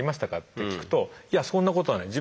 って聞くといやそんなことはない。